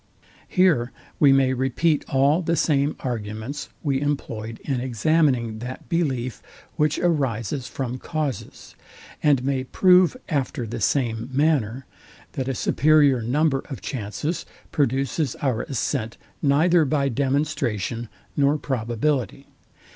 Here we may repeat all the same arguments we employed in examining that belief, which arises from causes; and may prove, after the same manner, that a superior number of chances produces our assent neither by demonstration nor probability.